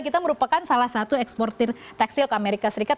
kita merupakan salah satu eksportir tekstil ke amerika serikat